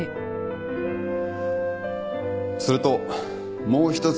それともう一つ